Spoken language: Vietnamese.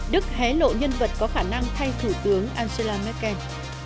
đức hé lộ nhân vật có khả năng thay thủ tướng angela merkel